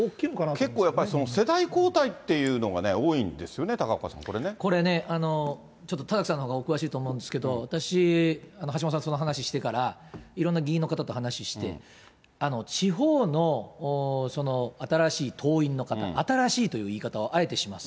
結構やっぱりその世代交代っていうのも多いんですよね、高岡これね、ちょっと田崎さんのほうがお詳しいと思うんですけど、私、橋下さん、その話してから、いろんな議員の方と話して、地方の新しい党員の方、新しいという言い方をあえてします。